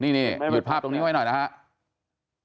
นี่หยุดภาพตรงนี้ไว้หน่อยนะครับ